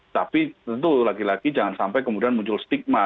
tapi tentu laki laki jangan sampai kemudian muncul stigma